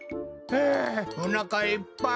ふうおなかいっぱい！